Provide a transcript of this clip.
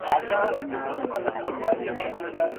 کوم وطن ته به لېږمه په لمنو سلامونه